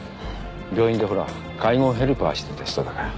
病院でほら介護ヘルパーしてた人だから。